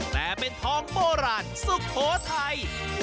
แต่เป็นทองโบราณสุโขทัย